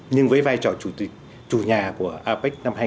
nhưng với vai trò chủ nhà của apec năm hai nghìn một mươi bảy